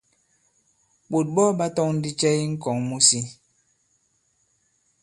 Ɓǒt ɓɔ ɓa tɔ̄ŋ ndi cɛ i ŋ̀kɔ̀ŋ mu si?